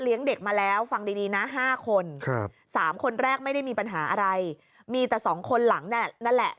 เด็กมาแล้วฟังดีนะ๕คน๓คนแรกไม่ได้มีปัญหาอะไรมีแต่สองคนหลังนั่นแหละ